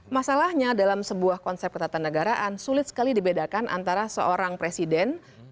masalahnya dalam sebuah konsep ketatanegaraan sulit sekali dibedakan antara seorang presiden